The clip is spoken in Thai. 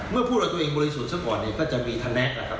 เมื่อพูดว่าตัวเองบริสุทธิ์ซะก่อนก็จะมีทันลักษมณ์